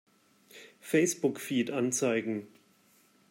Facebook-Feed anzeigen!